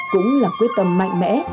cũng là quyết tâm mạnh mẽ